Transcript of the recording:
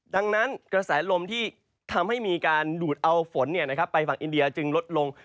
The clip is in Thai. ดังนั้นกระแสลมที่ทำให้มีการหลุดเอาฝนเนี่ยนะครับไปฝั่งอินเดียจึงลดลง